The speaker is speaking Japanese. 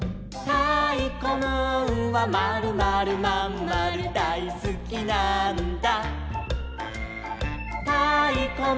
「たいこムーンはまるまるまんまるさがしにきたのさ」